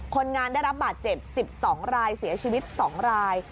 คนงานได้รับบาดเจ็บ๑๒รายเสียชีวิต๒ราย